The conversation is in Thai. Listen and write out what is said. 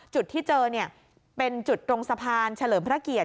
จุดที่เจอเป็นจุดตรงสะพานเฉลิมพระเกียรติ